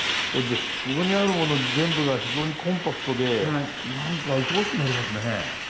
ここにあるもの全部が非常にコンパクトで何かいとおしくなりますね。